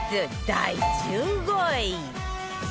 第１５位